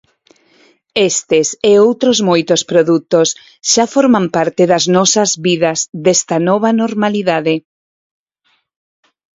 Estes e outros moitos produtos xa forman parte das nosas vidas desta nova normalidade.